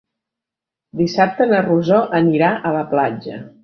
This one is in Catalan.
Dissabte na Rosó anirà a la platja.